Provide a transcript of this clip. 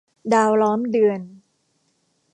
ดาวล้อมเดือน